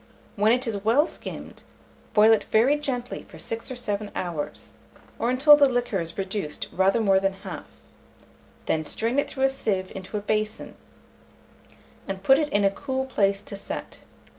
When it is well skimmed, boil it very gently for 6 or 7 hours, or until the liquor is reduced rather more than half; then strain it through a sieve into a basin, and put it in a cool place to set.